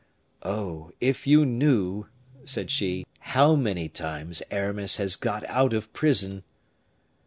"Oh! if you knew," said she, "how many times Aramis has got out of prison!"